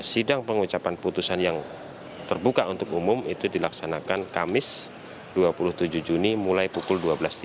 sidang pengucapan putusan yang terbuka untuk umum itu dilaksanakan kamis dua puluh tujuh juni mulai pukul dua belas tiga puluh